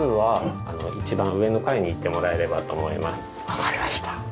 わかりました。